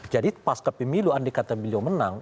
jadi pas kepemiluan dikatakan beliau menang